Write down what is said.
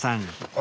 あ！